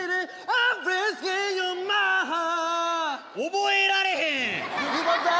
覚えられへん！